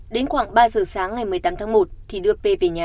đến khoảng ba giờ sáng ngày một mươi tám tháng một thì đưa p về nhà